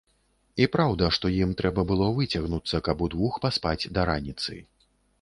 І праўда, што ім трэба было выцягнуцца, каб удвух паспаць да раніцы.